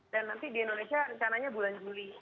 dan nanti di indonesia rencananya bulan juli